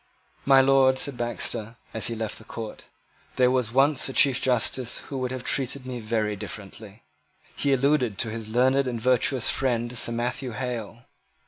"My Lord," said Baxter, as he left the court, "there was once a Chief Justice who would have treated me very differently." He alluded to his learned and virtuous friend Sir Matthew Hale.